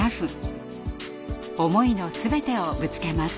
思いの全てをぶつけます。